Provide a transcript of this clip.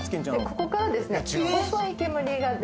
ここからですね